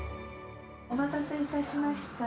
お待たせいたしました。